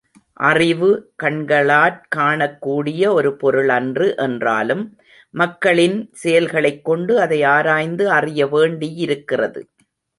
அறிவு கண்களாற் காணக்கூடிய ஒரு பொருளன்று என்றாலும், மக்களின் செயல்களைக் கொண்டு அதை ஆராய்ந்து அறியவேண்டியிருக்கிறது.